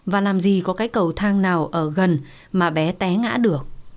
và làm gì có cái cầu thang nào ở gần mà bé té ngã được